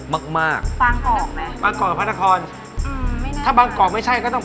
มากมากบางกอกบางกอกกับพระนครอืมถ้าบางกอกไม่ใช่ก็ต้อง